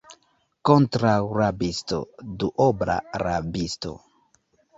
Kontraŭ rabisto, duobla rabisto.